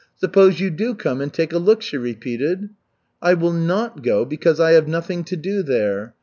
"Suppose you do come and take a look," she repeated. "I will not go because I have nothing to do there.